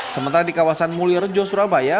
sementara di kawasan mulyur jawa surabaya